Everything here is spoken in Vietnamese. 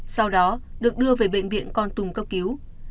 sau đó được đưa về bệnh viện còn tùm cấp cứu